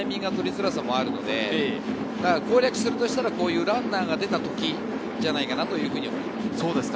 づらさもあるので、攻略するとすると、ランナーが出たときじゃないかなと思います。